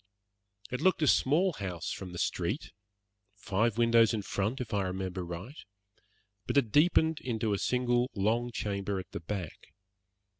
It looked a small house from the street, five windows in front, if I remember right, but it deepened into a single long chamber at the back.